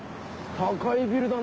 高いビルだな。